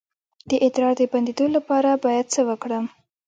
د ادرار د بندیدو لپاره باید څه وکړم؟